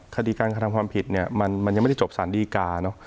คดีการกระทำความผิดเนี่ยมันยังไม่ได้จบสารดีกาเนอะ